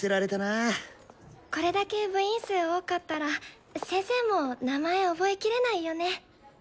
これだけ部員数多かったら先生も名前覚えきれないよね！